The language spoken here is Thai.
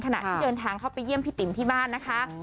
ขณะที่เดินทางเข้าไปเยี่ยมพี่ติ๋มที่บ้านนะคะ